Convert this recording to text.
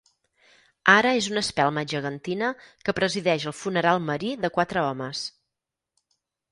Ara és una espelma gegantina que presideix el funeral marí de quatre homes.